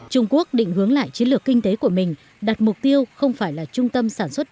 trung quốc định hướng lại chiến lược kinh tế của mình đặt mục tiêu không phải là trung tâm sản xuất